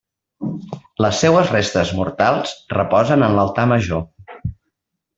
Les seues restes mortals reposen en l'altar major.